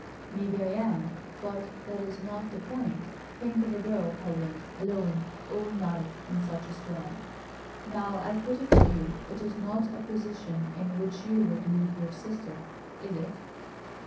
"Maybe I am, but that is not the point. Think of a girl, Holland, alone, all night, in such a storm. Now, I put it to you: it is not a position in which you would leave your sister, is it?"